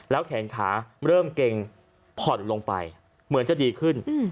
แขนขาเริ่มเก่งผ่อนลงไปเหมือนจะดีขึ้น